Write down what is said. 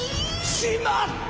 「しまった！」。